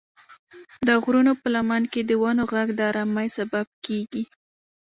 د غرونو په لمن کې د ونو غږ د ارامۍ سبب کېږي.